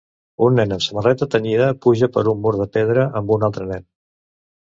Un nen amb samarreta tenyida puja per un mur de pedra amb un altre nen.